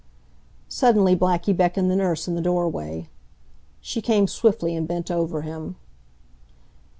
Suddenly Blackie beckoned the nurse in the doorway. She came swiftly and bent over him.